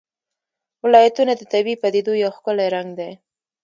ولایتونه د طبیعي پدیدو یو ښکلی رنګ دی.